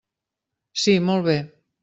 Sí, molt bé.